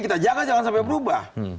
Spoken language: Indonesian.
kita jaga jangan sampai berubah